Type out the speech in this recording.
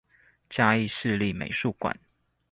嘉義市立美術館